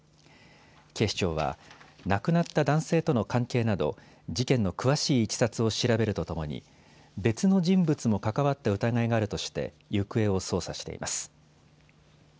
警視庁は亡くなった男性との関係など事件の詳しいいきさつを調べるとともに別の人物も関わった疑いがあるとして行方を捜査しています。